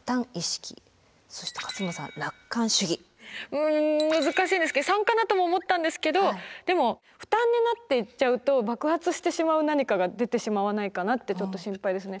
うん難しい３かなとも思ったんですけどでも負担になっていっちゃうと爆発してしまう何かが出てしまわないかなってちょっと心配ですね。